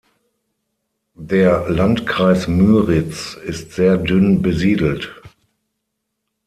Der Landkreis Müritz ist sehr dünn besiedelt.